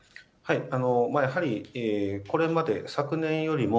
やはり、これまで昨年よりも